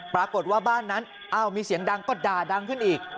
ปรากฏว่าบ้านนั้นอ้าวมีเสียงดังก็ด่าดังขึ้นอีก